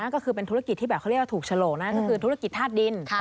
ก็คือเป็นธุรกิจที่แบบเขาเรียกว่าถูกฉลกนะก็คือธุรกิจธาตุดิน